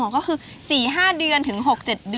ก็คือ๔๕เดือนถึง๖๗เดือน